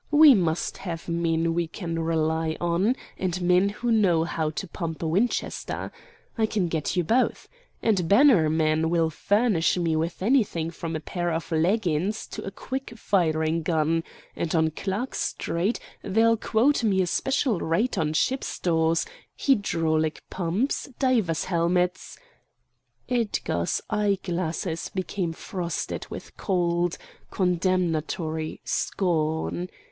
We must have men we can rely on, and men who know how to pump a Winchester. I can get you both. And Bannerman will furnish me with anything from a pair of leggins to a quick firing gun, and on Clark Street they'll quote me a special rate on ship stores, hydraulic pumps, divers' helmets——" Edgar's eye glasses became frosted with cold, condemnatory scorn.